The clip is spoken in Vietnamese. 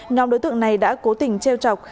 nhóm đối tượng này đã cố tình treo trọc